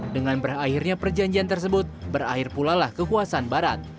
dengan berakhirnya perjanjian tersebut berakhir pula lah kekuasaan barat